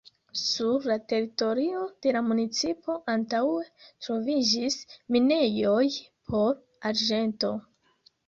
Sur la teritorio de la municipo antaŭe troviĝis minejoj por arĝento.